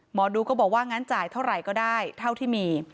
หมอดูก็บอกว่างั้นจ่ายเท่าไหร่ก็ได้เท่าที่มี